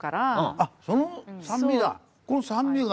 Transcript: あっその酸味だ。